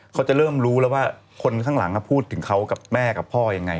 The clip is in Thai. เขาจะเริ่มรู้แล้วว่าคนข้างหลังพูดถึงเขากับแม่กับพ่อยังไง